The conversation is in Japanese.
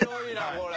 これ。